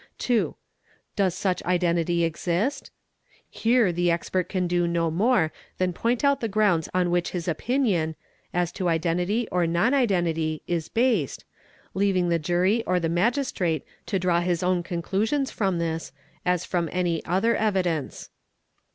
(2) Does such identity exist? Here the expert can do no more than point out the grounds on which his opinion, as to identity or non identity, is based, leaving the Jury or the i Magistrate to draw his own conclusions from this, as from any other | evidence.